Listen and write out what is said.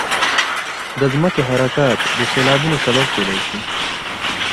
د ځمکې حرکات د سیلابونو سبب کېدای شي.